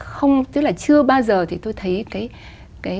không tức là chưa bao giờ thì tôi thấy cái